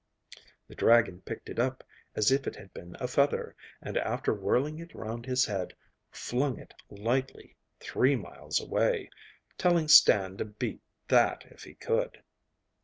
The dragon picked it up as if it had been a feather, and, after whirling it round his head, flung it lightly three miles away, telling Stan to beat that if he could.